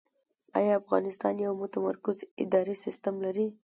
آیا افغانستان یو متمرکز اداري سیستم لري؟